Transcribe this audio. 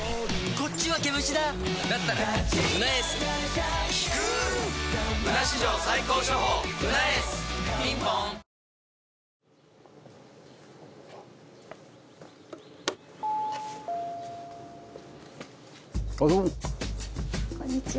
こんにちは。